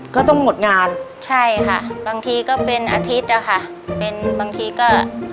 ก็ต้องหมดงานใช่ค่ะบางทีก็เป็นอาทิตย์อะค่ะเป็นบางทีก็